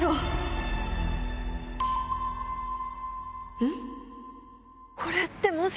うん？